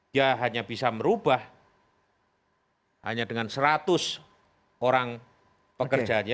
dia hanya bisa merubah hanya dengan seratus orang pekerjaannya